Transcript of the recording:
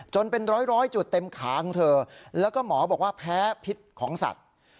เป็นร้อยจุดเต็มขาของเธอแล้วก็หมอบอกว่าแพ้พิษของสัตว์